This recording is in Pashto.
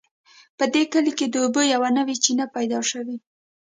په دې کلي کې د اوبو یوه نوې چینه پیدا شوې